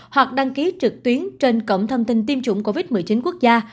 hoặc đăng ký trực tuyến trên cổng thông tin tiêm chủng covid một mươi chín quốc gia